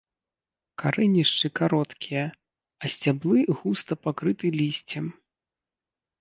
Карэнішчы кароткія, а сцяблы густа пакрыты лісцем.